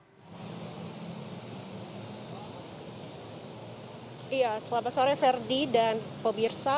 iya selamat sore ferdi dan pemirsa